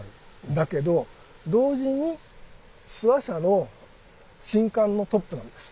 だけど同時に諏訪社の神官のトップなんです。